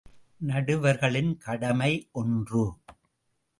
நடுவர்களின் கடமை ஒன்று.